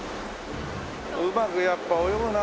うまくやっぱ泳ぐな。